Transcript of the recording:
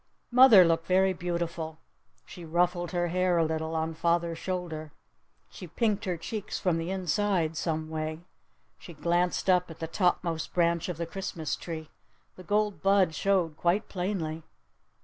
Mother looked very beautiful. She ruffled her hair a little on father's shoulder. She pinked her cheeks from the inside some way. She glanced up at the topmost branch of the Christmas tree. The gold bud showed quite plainly.